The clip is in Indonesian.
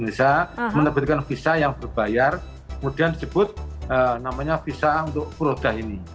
mereka menyebutkan visa yang berbayar kemudian disebut namanya visa untuk furoda ini